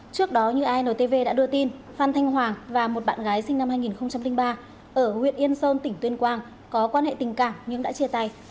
trước đó như intv đã đưa tin phan thanh hoàng và một bạn gái sinh năm hai nghìn ba ở huyện yên sơn tỉnh tuyên quang có quan hệ tình cảm nhưng đã chia tay